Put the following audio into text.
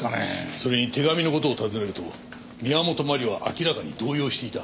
それに手紙の事を尋ねると宮本真理は明らかに動揺していた。